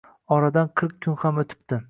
Oradan qirq kun ham o‘tibdi